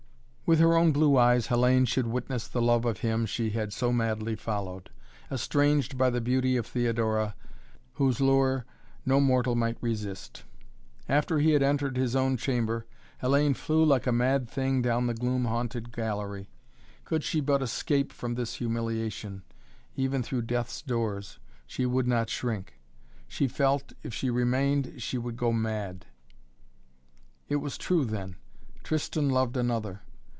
With her own blue eyes Hellayne should witness the love of him she had so madly followed, estranged by the beauty of Theodora, whose lure no mortal might resist. After he had entered his own chamber, Hellayne flew like a mad thing down the gloom haunted gallery. Could she but escape from this humiliation even through death's doors she would not shrink. She felt, if she remained, she would go mad. It was true, then! Tristan loved another.